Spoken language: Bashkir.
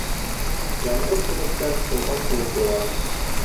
Ямғыр күнәктән ҡойған кеүек яуа.